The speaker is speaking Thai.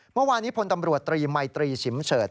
เมื่อวานนี้พลตำรวจตรีมัยตรีฉิมเฉิด